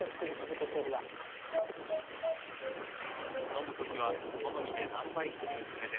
飲む時は好みで何倍かに薄めて。